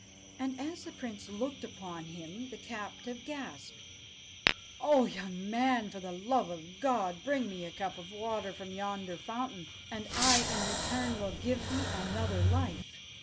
And, as the Prince looked upon him, the captive gasped, 'O young man, for the love of God, bring me a cup of water from yonder fountain ; and I, in return, will give thee another life.'